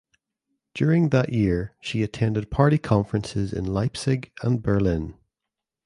During that year she attended party conferences in Leipzig and Berlin.